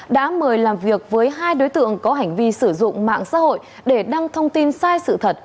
đã mời làm việc với hai đối tượng có hành vi sử dụng mạng xã hội để đăng thông tin sai sự thật